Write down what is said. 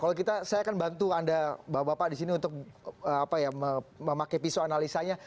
kalau kita saya akan bantu anda bapak bapak di sini untuk memakai pisau analisanya